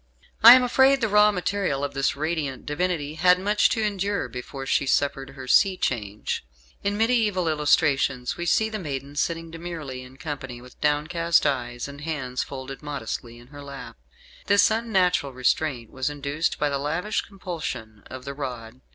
I am afraid the raw material of this radiant divinity had much to endure before she suffered her sea change. In mediaeval illustrations we see the maiden sitting demurely in company, with downcast eyes, and hands folded modestly in her lap. This unnatural restraint was induced by the lavish compulsion of the rod.